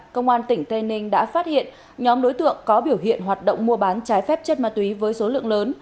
công an tỉnh tây ninh đã phát hiện nhóm đối tượng có biểu hiện hoạt động mua bán trái phép chất ma túy với số lượng lớn